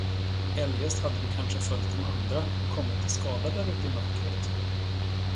Eljest hade du kanske följt de andra och kommit till skada därute i mörkret.